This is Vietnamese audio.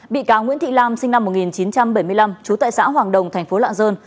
bị cáo nguyễn thị lam sinh năm một nghìn chín trăm bảy mươi năm trú tại xã hoàng đồng thành phố lạng sơn